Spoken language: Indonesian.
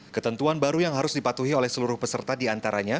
ketentuan baru yang harus dipatuhi oleh seluruh peserta diantaranya